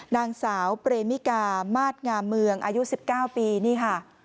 นางสาวเปรมิกามาสงามเมืองอายุ๑๙ปีนี่ค่ะ